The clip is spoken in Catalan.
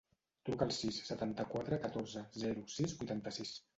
Truca al sis, setanta-quatre, catorze, zero, sis, vuitanta-sis.